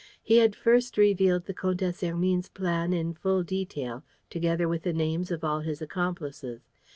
He had first revealed the Comtesse Hermine's plan in full detail, together with the names of all his accomplices.